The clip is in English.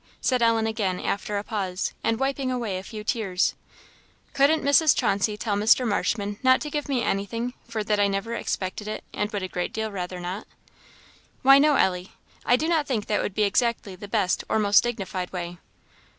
said Ellen, again, after a pause, and wiping away a few tears. "Couldn't Mrs. Chauncey tell Mr. Marshman not to give me anything for that I never expected it, and would a great deal rather not?" "Why, no, Ellie, I do not think that would be exactly the best or most dignified way."